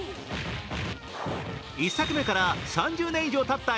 １作目から、３０年以上たった